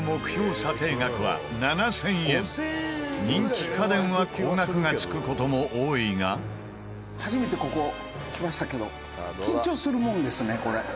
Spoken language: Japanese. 査定額は７０００円人気家電は高額が付く事も多いが「初めて、ここ来ましたけど緊張するもんですね、これ」